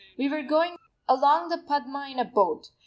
We were going along the Padma in a boat.